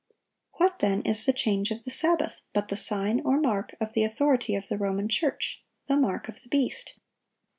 (757) What then is the change of the Sabbath, but the sign, or mark, of the authority of the Roman Church—"the mark of the beast"?